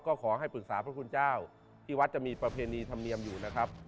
ก็ขอให้ปรึกษาพระคุณเจ้าที่วัดจะมีประเพณีธรรมเนียมอยู่นะครับ